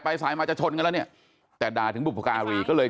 สายมาจะชนกันแล้วเนี่ยแต่ด่าถึงบุพการีก็เลย